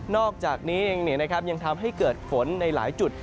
อกจากนี้เองยังทำให้เกิดฝนในหลายจุด